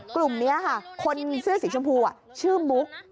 กลุ่มนี้ค่ะคนเสื้อสีชมพูชื่อมุก